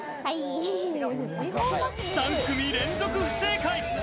３組連続不正解。